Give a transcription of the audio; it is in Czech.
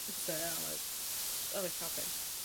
Biskupské svěcení mu udělil kardinál Carlo Maria Martini.